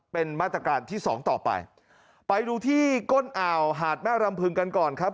เป็นมาตรการที่สองต่อไปไปดูที่ก้นอ่าวหาดแม่รำพึงกันก่อนครับ